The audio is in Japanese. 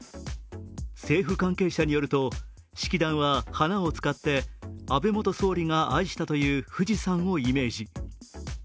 政府関係者によると、式壇は花を使って安倍元総理が愛したという富士山をイメージ。